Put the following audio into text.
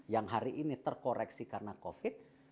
yang hari ini terkoreksi karena covid